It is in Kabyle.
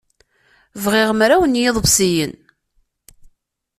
Bɣiɣ mraw n yiḍebsiyen.